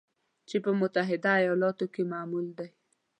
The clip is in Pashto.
چې په متحده ایالاتو کې معمول دی